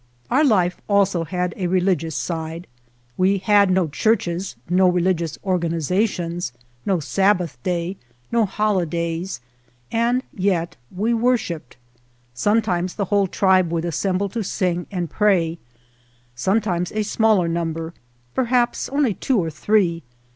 Our life also had a religious side. We 28 TRIBAL CUSTOMS had no churches, no religious organizations^ no sabbath day, no holidays, and yet we wor shiped. Sometimes the whole tribe would assemble to sing and pray; sometimes a smaller number, perhaps only two or three.